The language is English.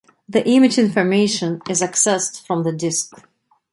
The image information is accessed from the disk.